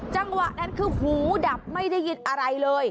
จังหวะนั้นถึงถูกดับแล้วไม่ได้ยินอะไรเลย